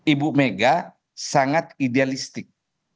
ibu mega sangat idealistik